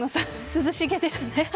涼しげですね。